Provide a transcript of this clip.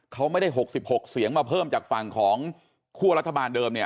เขาไม่ได้๖๖เสียงมาเพิ่มจากฝั่งของคั่วรัฐบาลเดิมเนี่ย